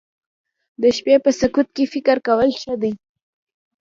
د شپې په سکوت کې فکر کول ښه دي